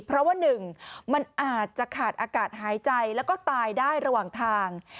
เพราะว่าหนึ่งมันอาจจะขาดอากาศหายใจแล้วก็ตายได้ระหว่างทาง